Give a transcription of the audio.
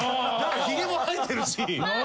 ひげも生えてるし。